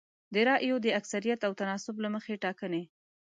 د رایو د اکثریت او تناسب له مخې ټاکنې